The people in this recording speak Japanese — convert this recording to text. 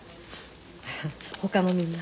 ほかのみんなは？